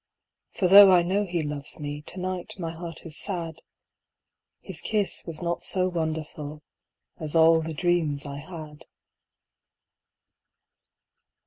For though I know he loves me, To night my heart is sad; His kiss was not so wonderful As all the dreams I had.